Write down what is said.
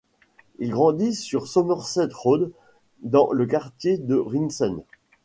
Il grandit sur Somerset Road dans le quartier de Ringsend.